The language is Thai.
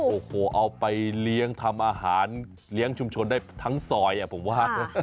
โอ้โหเอาไปเลี้ยงทำอาหารเลี้ยงชุมชนได้ทั้งซอยผมว่า